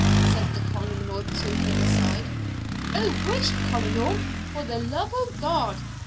said the Colonel to him aside. 'O whisht, Colonel, for the love o' God!